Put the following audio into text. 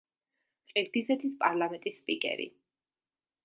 ყირგიზეთის პარლამენტის სპიკერი.